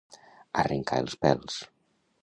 Arrencar els pèls.